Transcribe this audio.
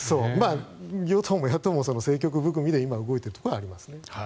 与党も野党も政局含みで今、動いているところはありますね。